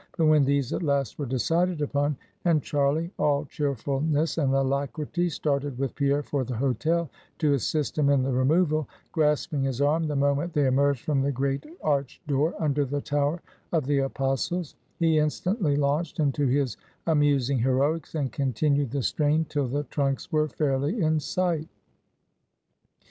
But when these at last were decided upon; and Charlie, all cheerfulness and alacrity, started with Pierre for the hotel, to assist him in the removal; grasping his arm the moment they emerged from the great arched door under the tower of the Apostles; he instantly launched into his amusing heroics, and continued the strain till the trunks were fairly in sight.